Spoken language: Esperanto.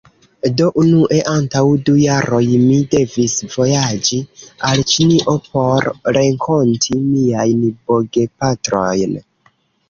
Do unue, antaŭ du jaroj, mi devis vojaĝi al Ĉinio por renkonti miajn bogepatrojn.